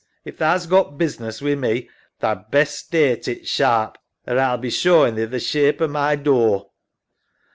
If tha's got business wi' me, tha'd best state it sharp or A'll be showin' thee the shape o' my door.